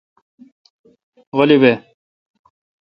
غلی بھ۔